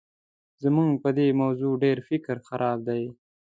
زموږ په دې موضوع ډېر فکر خراب دی.